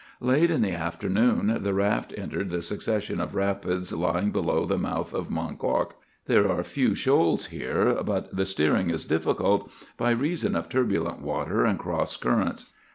"Late in the afternoon the raft entered the succession of rapids lying below the mouth of the Munquauk. There are few shoals here, but the steering is difficult by reason of turbulent water and cross currents.